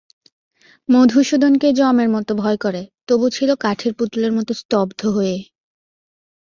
মধুসূদনকে যমের মতো ভয় করে, তবু ছিল কাঠের পুতুলের মতো স্তব্ধ হয়ে।